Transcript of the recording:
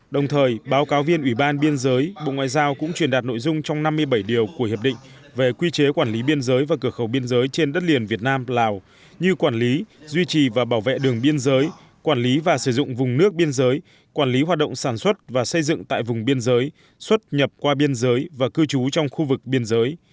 đồng thời báo cáo viên ủy ban biên giới bộ ngoại giao cũng truyền đạt nội dung trong năm mươi bảy điều của hiệp định về quy chế quản lý biên giới và cửa khẩu biên giới trên đất liền việt nam lào như quản lý duy trì và bảo vệ đường biên giới quản lý và sử dụng vùng nước biên giới quản lý hoạt động sản xuất và xây dựng tại vùng biên giới xuất nhập qua biên giới và cư trú trong khu vực biên giới